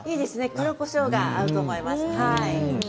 黒こしょうが合うと思います。